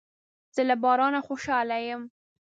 زه له بارانه خوشاله یم.